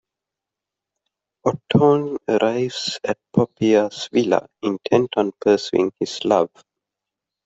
Ottone arrives at Poppea's villa, intent on pursuing his love.